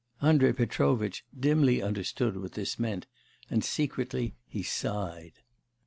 Andrei Petrovitch dimly understood what this meant, and secretly he sighed.